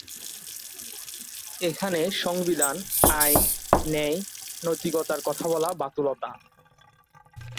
এখানে সংবিধান, আইন, ন্যায় নৈতিকতার কথা বলা বাতুলতা।